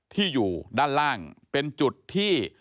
ที่อยู่ด้านล่างเป็นจุดที่